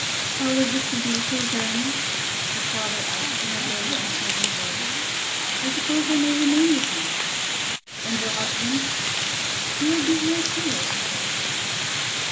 "How is it to be till then?" the father asked in a low, uncertain voice. "I suppose I may remain with you." "And your husband?" "He will be here too, I suppose."